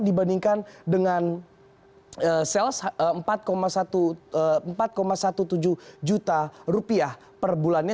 dibandingkan dengan sales empat tujuh belas juta rupiah per bulannya